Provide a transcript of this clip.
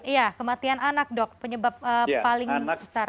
iya kematian anak dok penyebab paling besar